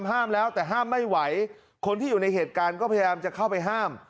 ห้ามแล้วแต่ห้ามไม่ไหวคนที่อยู่ในเหตุการณ์ก็พยายามจะเข้าไปห้าม